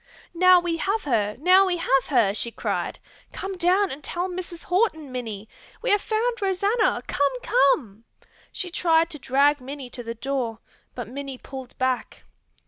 "Now we have her, now we have her!" she cried. "Come down and tell Mrs. Horton, Minnie! We have found Rosanna! Come, come!" She tried to drag Minnie to the door, but Minnie pulled back.